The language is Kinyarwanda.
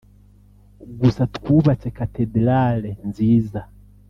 Gusa twubatse Cathédrale nziza